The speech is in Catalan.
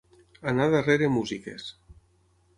Anar darrere músiques.